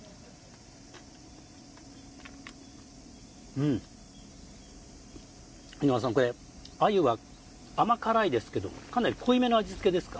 うん、井上さんこれ、あゆは甘辛いですけどかなり濃いめの味付けですか。